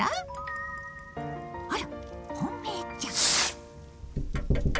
あら本命ちゃん！